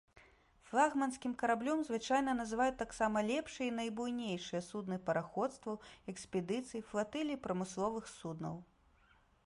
Флагманскім караблём звычайна называюць таксама лепшыя і найбуйнейшыя судны параходстваў, экспедыцый, флатылій прамысловых суднаў.